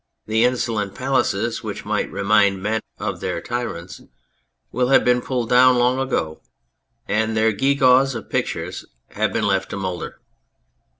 The insolent palaces which might remind men of their tyrants will have been pulled down long ago, and their gew gaws of pictures have been left to moulder.